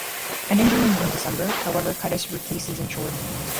An injury in December, however, cut his rookie season short.